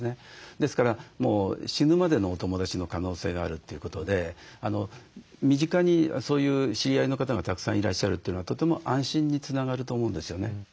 ですから死ぬまでのお友だちの可能性があるということで身近にそういう知り合いの方がたくさんいらっしゃるというのはとても安心につながると思うんですよね。